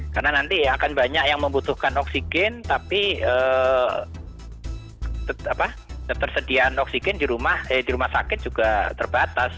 karena nanti akan banyak yang membutuhkan oksigen tapi tersediaan oksigen di rumah sakit juga terbatas